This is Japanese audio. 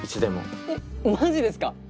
えっマジですか？